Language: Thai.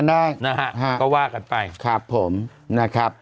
แล้วเหมือนช่างงานกัน